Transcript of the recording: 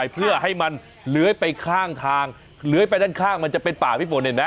เพื่อให้มันเลื้อยไปข้างทางเลื้อยไปด้านข้างมันจะเป็นป่าพี่ฝนเห็นไหม